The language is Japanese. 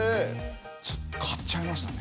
ちょっと買っちゃいましたね。